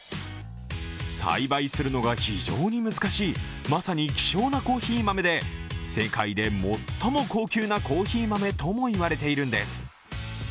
栽培するのが非常に難しいまさに希少なコーヒー豆で、世界で最も高級なコーヒー豆とも言われているんです。